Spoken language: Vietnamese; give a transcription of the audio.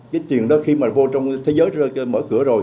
cái chuyện đó khi mà vô trong thế giới mở cửa rồi